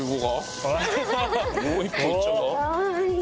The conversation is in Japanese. もう１本いっちゃおうか。